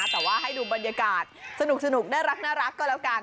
แต่ว่าให้ดูบรรยากาศสนุกน่ารักก็แล้วกัน